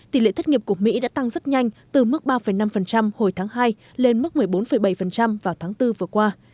tỷ lệ thất nghiệp của mỹ đã tăng rất nhanh từ mức ba năm hồi tháng hai lên mức một mươi bốn bảy vào tháng bốn vừa qua